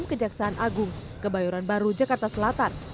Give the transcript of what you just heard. kejaksaan agung kebayoran baru jakarta selatan